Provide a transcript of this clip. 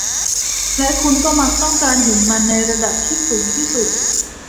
และคุณก็มักต้องการเห็นมันในระดับที่สูงที่สุด